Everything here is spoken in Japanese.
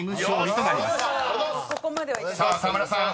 ［さあ沢村さん